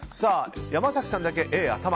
山崎さんだけ、Ａの頭。